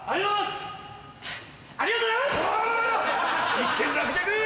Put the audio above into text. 一件落着！